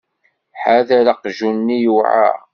Ḥader aqjun-nni yewɛer.